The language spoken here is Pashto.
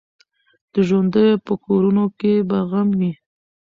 د ژوندیو په کورونو کي به غم وي